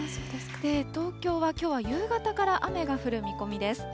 東京はきょうは夕方から雨が降る見込みです。